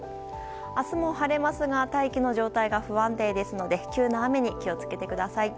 明日も晴れますが大気の状態が不安定ですので急な雨に気を付けてください。